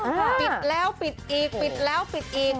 ปิดแล้วปิดอีกปิดแล้วปิดอีก